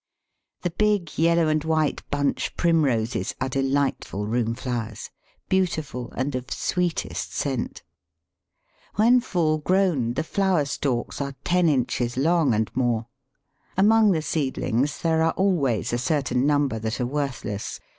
The big yellow and white bunch Primroses are delightful room flowers, beautiful, and of sweetest scent. When full grown the flower stalks are ten inches long and more. Among the seedlings there are always a certain number that are worthless.